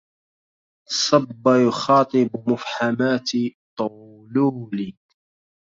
صب يخاطب مفحمات طلول